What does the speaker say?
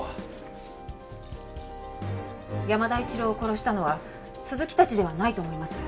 山田一郎を殺したのは鈴木たちではないと思います。